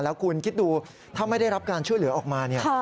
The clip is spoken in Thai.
แล้วคุณคิดดูถ้าไม่ได้รับการช่วยเหลือออกมาเนี่ย